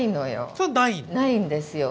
ないんですよ。